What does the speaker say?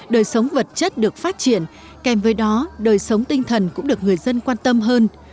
đời sống vật chất được phát triển kèm với đó đời sống tinh thần cũng được người dân quan tâm hơn